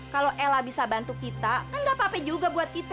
kalau ella bisa bantu kita kan gak apa apa juga buat kita